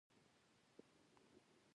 زه هیله لرم، چي تل په ژوند کښي بریالی اوسم.